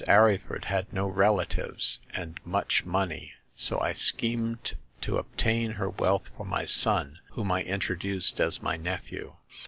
Arryford had no relatives and much money, so I schemed to obtain her wealth for my son, whom I introduced as my nephew.